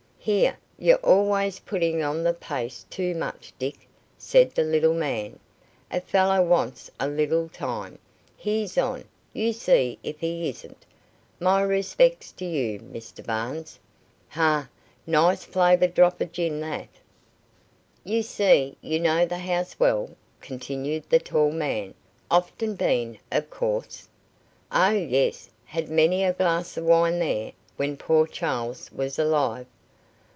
"Here, you're always putting on the pace too much, Dick," said the little man. "A fellow wants a little time. He's on, you see if he isn't. My respects to you, Mr Barnes. Hah! nice flavoured drop of gin that." "You see, you know the house well," continued the tall man. "Often been, of course?" "Oh, yes; had many a glass of wine there, when poor Charles was alive."